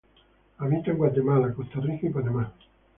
Habita en Guatemala, Costa Rica y Panamá.